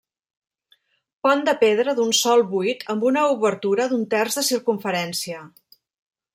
Pont de pedra d'un sol buit amb una obertura d'un terç de circumferència.